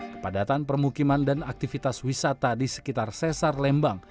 kepadatan permukiman dan aktivitas wisata di sekitar sesar lembang